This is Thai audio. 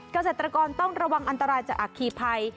เกษตรกรต้องระวังอันตรายจากอัคคีภัย